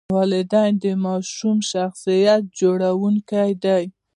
والدین د ماشوم شخصیت جوړونکي دي.